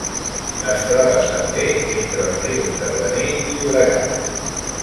Es troba també entre els rius Cardener i Llobregat.